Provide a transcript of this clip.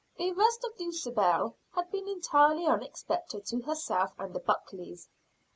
The arrest of Dulcibel had been entirely unexpected to herself and the Buckleys.